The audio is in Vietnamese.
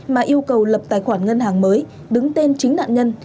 mà yêu cầu lập tài khoản ngân hàng mới đứng tên chính nạn nhân